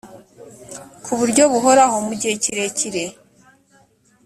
ku buryo buhoraho mu gihe kirekire